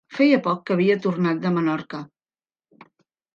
Feia poc que havia tornat de Menorca.